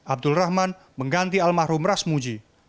abdul rahman mengganti almah rumit